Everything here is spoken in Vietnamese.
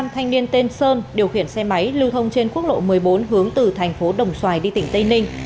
năm thanh niên tên sơn điều khiển xe máy lưu thông trên quốc lộ một mươi bốn hướng từ thành phố đồng xoài đi tỉnh tây ninh